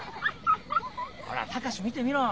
ほら孝見てみろ。